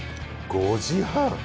５時半？